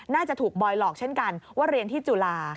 น่าจะถูกบอยหลอกเช่นกันว่าเรียนที่จุฬา